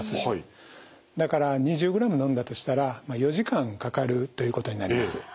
だから２０グラム飲んだとしたらまあ４時間かかるということになります。